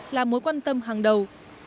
là mối quan tâm hàng đầu